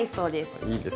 いいですね。